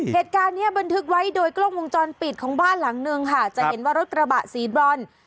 เหตุการณ์เนี้ยบันทึกไว้โดยกล้องวงจรปิดของบ้านหลังนึงค่ะจะเห็นว่ารถกระบะสีบรอน